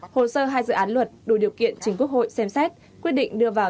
hồ sơ hai dự án luật đủ điều kiện chính quốc hội xem xét quyết định đưa vào